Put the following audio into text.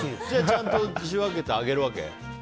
ちゃんと仕分けてあげるわけ？